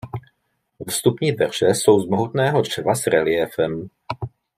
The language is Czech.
Vstupní dveře jsou z mohutného dřeva s reliéfem.